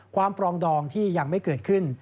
ปรองดองที่ยังไม่เกิดขึ้น